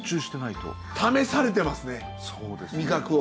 試されてますね味覚を。